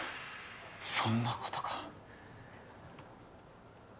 そんなことが。